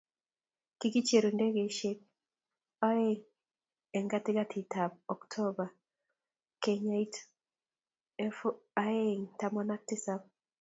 Kikicheru ndegesiek oeng' eng' katikatitab Oktoba kenyitab efut oeng' taman ak tisap.